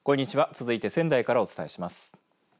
続いて仙台からお伝えします。